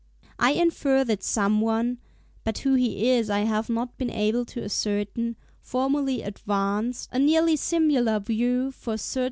I infer that some one (but who he is I have not been able to ascertain) formerly advanced a nearly similar view, for Sir C.